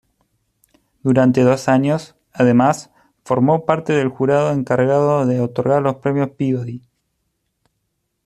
Durante dos años, además, formó parte del jurado encargado de otorgar los Premios Peabody.